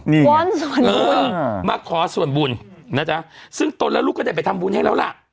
นี่มาขอส่วนบุญนะจ๊ะซึ่งตนและลูกก็ได้ไปทำบุญให้แล้วล่ะ